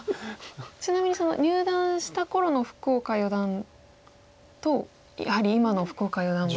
ちなみに入段した頃の福岡四段とやはり今の福岡四段は。